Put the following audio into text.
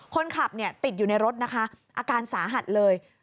คนขับติดอยู่ในรถนะคะอาการสาหัสเลย